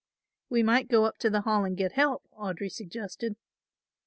"We might go up to the Hall and get help," Audry suggested.